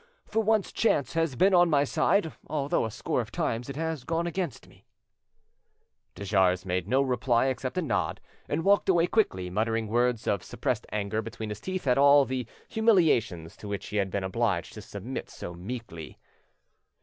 For once chance has been on my side although a score of times it has gone against me." De Jars made no reply except a nod, and walked away quickly, muttering words of suppressed anger between his teeth at all the—humiliations to which he had been obliged to submit so meekly.